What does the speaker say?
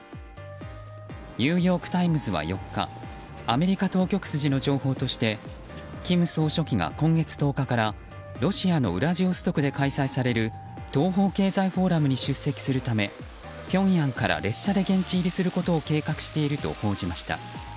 ニューヨーク・タイムズは４日アメリカ当局筋の情報として金総書記が今月１０日からロシアのウラジオストクで開催される東方経済フォーラムに出席するためピョンヤンから列車で現地入りすることを計画していると報じました。